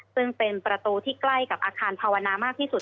ซึ่งเป็นประตูที่ใกล้กับอาคารภาวนามากที่สุด